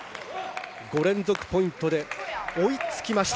５連続ポイントで追いつきました。